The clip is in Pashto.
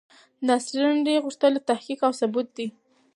د عصري نړۍ غوښتنه تحقيق او ثبوت دی.